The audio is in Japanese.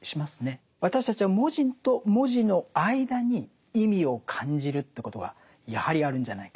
私たちは文字と文字の間に意味を感じるということはやはりあるんじゃないか。